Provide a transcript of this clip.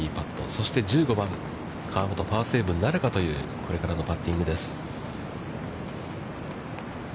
そして、１５番、河本、パーセーブなるかというこれからのパッティングです。